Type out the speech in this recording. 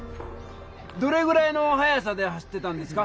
どれぐらいの速さで走ってたんですか？